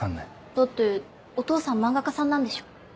だってお父さん漫画家さんなんでしょ？